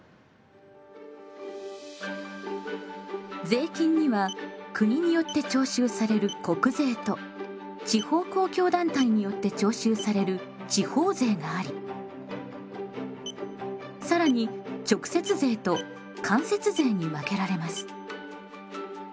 税金には国によって徴収される国税と地方公共団体によって徴収される地方税があり更に直接税と間接税に分けられます。